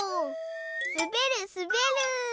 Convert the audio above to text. すべるすべる！